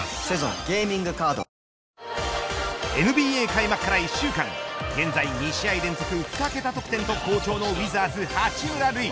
ＮＢＡ開幕から１週間現在２試合連続２桁得点と好調のウィザーズ、八村塁。